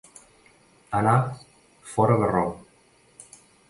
Anar fora de raó.